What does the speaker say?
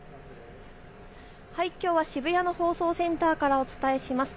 きょうは渋谷の放送センターからお伝えします。